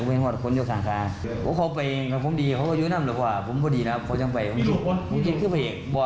อืมถ้าอย่างนี้ห้าคนนั้นบ้างหนา